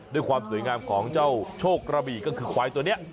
ด้วยความสวยงามของเจ้าโชคกระบี่ก็คือควายตัวนี้